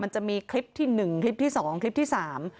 มันจะมีคลิปที่หนึ่งคลิปที่สองคลิปที่สาม